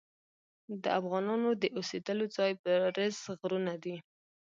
د افغانانو د اوسیدلو ځای برز غرونه دي.